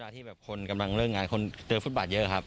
ที่แบบคนกำลังเลิกงานคนเจอฟุตบาทเยอะครับ